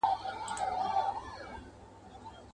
د هغه سیندګي پر غاړه بیا هغه سپوږمۍ خپره وای.